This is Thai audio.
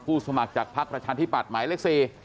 สมัครจากภักดิ์ประชาธิปัตย์หมายเลข๔